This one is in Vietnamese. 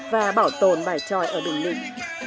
và bảo tồn bài tròi ở đình ninh